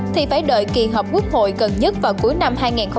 thì phải đợi kỳ hợp quốc hội gần nhất vào cuối năm hai nghìn hai mươi hai